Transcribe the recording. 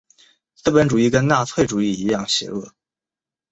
资本主义跟纳粹主义一样邪恶。